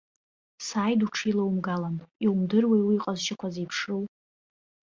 Сааид уҽилоумгалан, иумдыруеи уи иҟазшьақәа зеиԥшроу.